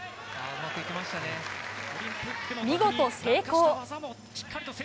見事、成功。